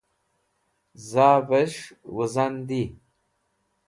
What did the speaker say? zav'esh wuzan di